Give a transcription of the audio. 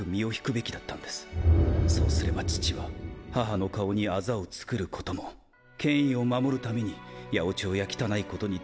そうすれば父は母の顔に痣を作ることも権威を守るために八百長や汚いことに手を染めることもなかった。